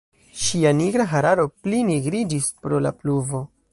Ŝia nigra hararo pli nigriĝis pro la pluvo.